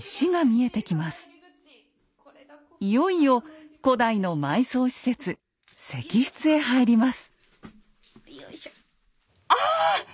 いよいよ古代の埋葬施設「石室」へ入ります。